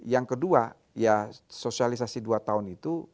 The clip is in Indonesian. yang kedua ya sosialisasi dua tahun itu